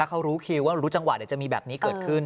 เขารู้คิวว่ารู้จังหวะเดี๋ยวจะมีแบบนี้เกิดขึ้น